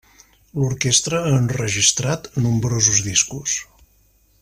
L'Orquestra ha enregistrat nombrosos discos.